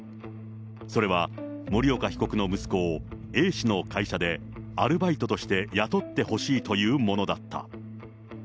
それは、森岡被告の息子をＡ氏の会社でアルバイトとして雇ってほしいというものだった。